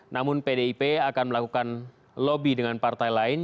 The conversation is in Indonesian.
namun pdip akan melakukan lobby dengan partai lain